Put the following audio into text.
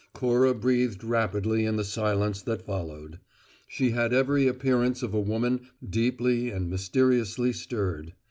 Cora breathed rapidly in the silence that followed; she had every appearance of a woman deeply and mysteriously stirred.